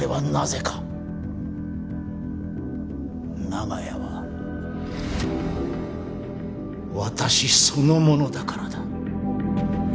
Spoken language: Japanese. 長屋は私そのものだからだ。